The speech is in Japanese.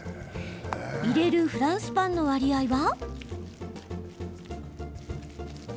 入れるフランスパンの割合は？